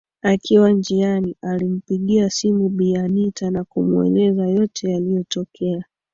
Akiwa njiani alimpigia simu Bi Anita na kumueleza yote yaliyotokea